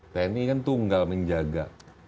tni kan tunggal menjaga